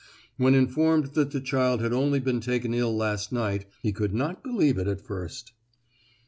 When informed that the child had only been taken ill last night, he could not believe it at first.